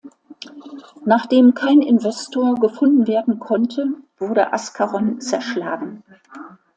Nachdem kein Investor gefunden werden konnte, wurde Ascaron zerschlagen.